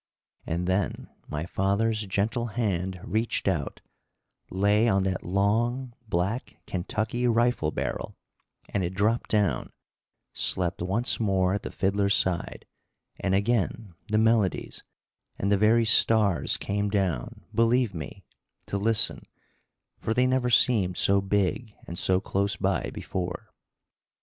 And then my father's gentle hand reached out, lay on that long, black, Kentucky rifle barrel, and it dropped down, slept once more at the fiddler's side, and again the melodies; and the very stars came down, believe me, to listen, for they never seemed so big and so close by before.